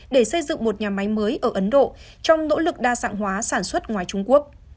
để xây dựng một nhà máy mới ở ấn độ trong nỗ lực đa dạng hóa sản xuất ngoài trung quốc